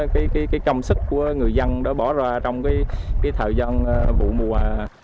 cái cầm sức của người dân đã bỏ ra trong cái thời gian vụ mùa